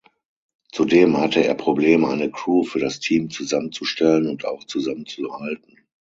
Zudem hatte er Probleme, eine Crew für das Team zusammenzustellen und auch zusammenzuhalten.